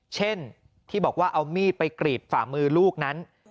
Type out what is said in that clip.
เช่นที่บอกว่าเอามีดไปกรีดฝ่ามือลูกนั้น